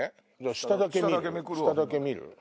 下だけ見る。